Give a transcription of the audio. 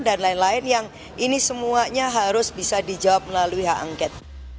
dan lain lain yang ini semuanya harus bisa dijawab melalui hak angket